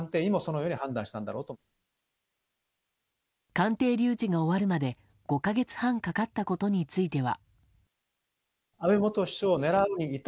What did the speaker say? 鑑定留置が終わるまで５か月半かかったことについては。